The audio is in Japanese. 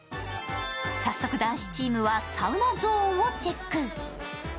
早速、男子チームはサウナゾーンをチェック。